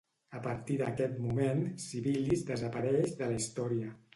A partir d'aquest moment, Civilis desapareix de la història.